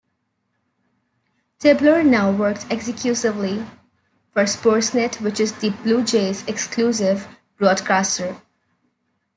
Tabler now works exclusively for Sportsnet, which is the Blue Jays' exclusive broadcaster.